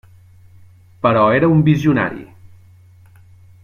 Però era un visionari.